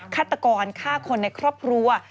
ฆาตกรฆ่าคนในครอบครัว